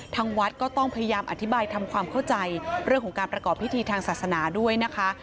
ทางวัดก็ต้องพยายามอธิบายทำความเข้าใจเรื่องของการประกอบพิธีทางศาสนาด้วยนะคะ